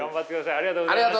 ありがとうございます！